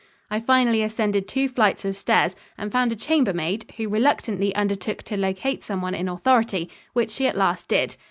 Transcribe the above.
I finally ascended two flights of stairs and found a chambermaid, who reluctantly undertook to locate someone in authority, which she at last did.